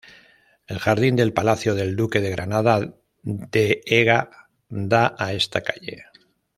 El jardín del palacio del Duque de Granada de Ega da a esta calle.